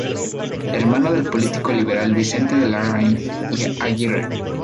Hermano del político liberal Vicente de Larraín y Aguirre.